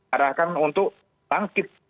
arahkan untuk bangkit